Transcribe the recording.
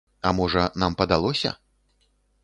А можа, нам падалося?